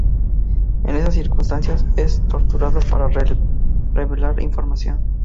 En esas circunstancias es torturado para revelar información.